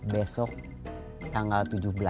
besok tanggal tujuh belas